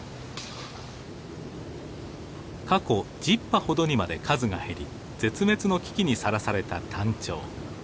過去１０羽ほどにまで数が減り絶滅の危機にさらされたタンチョウ。